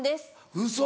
ウソ！